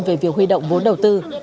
về việc huy động vốn đầu tư